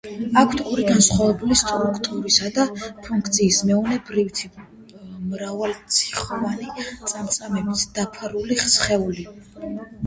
აქვთ ორი, განსხვავებული სტრუქტურისა და ფუნქციის მქონე ბირთვი, მრავალრიცხოვანი წამწამებით დაფარული სხეული.